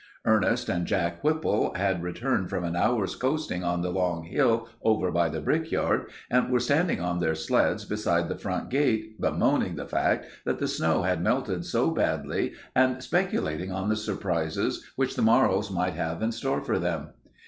Ernest and Jack Whipple had returned from an hour's coasting on the long hill over by the brickyard and were standing on their sleds beside the front gate bemoaning the fact that the snow had melted so badly and speculating on the surprises which the morrow might have in store for them.